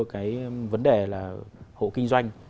cái vấn đề là hộ kinh doanh